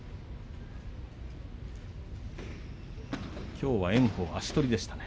きょうは炎鵬は足取りでしたね。